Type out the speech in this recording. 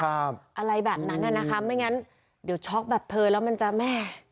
อะไรแบบนั้นน่ะนะคะไม่งั้นเดี๋ยวช็อกแบบเธอแล้วมันจะแม่